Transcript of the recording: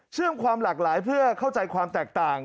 ความหลากหลายเพื่อเข้าใจความแตกต่าง